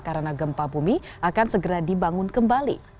karena gempa bumi akan segera dibangun kembali